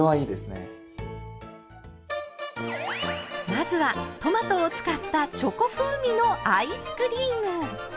まずはトマトを使ったチョコ風味のアイスクリーム。